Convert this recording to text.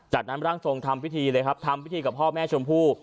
จากนั้นร่างทรงทำพิธีเลยครับทำพิธีกับพ่อแม่ชมพู่